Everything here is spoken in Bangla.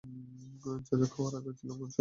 যাজক হওয়ার আগে ছিলাম একজন সৈনিক।